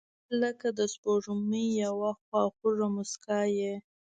• ته لکه د سپوږمۍ یوه خواږه موسکا یې.